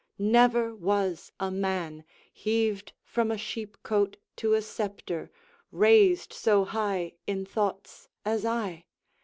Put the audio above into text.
Never was a man Heaved from a sheep cote to a sceptre, raised So high in thoughts as I.